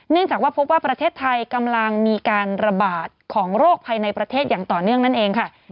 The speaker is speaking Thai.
จากว่าพบว่าประเทศไทยกำลังมีการระบาดของโรคภายในประเทศอย่างต่อเนื่องนั่นเองค่ะ